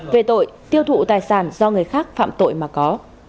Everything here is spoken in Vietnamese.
về tội tiêu thụ tài sản do người khác phạm tội mà có